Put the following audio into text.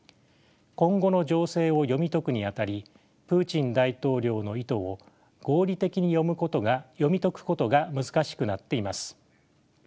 今後の情勢を読み解くにあたりプーチン大統領の意図を合理的に読み解くことが難しくなっています。